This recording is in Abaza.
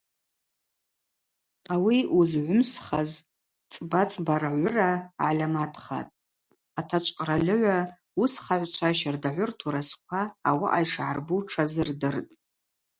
Ауи уызгӏвымсхаз цӏбацӏбара гӏвыра гӏальаматхатӏ, атачӏв къральыгӏва уысхагӏвчва щардагӏвы ртурасква ауаъа йшгӏарбу тшазырдыртӏ.